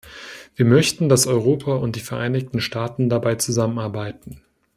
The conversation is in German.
Wir möchten, dass Europa und die Vereinigten Staaten dabei zusammenarbeiten.